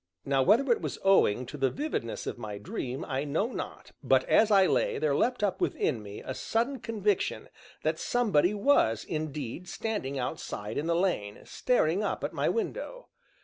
Now whether it was owing to the vividness of my dream, I know not, but as I lay, there leapt up within me a sudden conviction that somebody was indeed standing outside in the lane, staring up at my window.